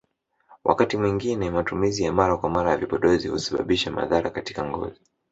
Wakati mwingine matumizi ya mara kwa mara ya vipodozi husababisha madhara katika ngozi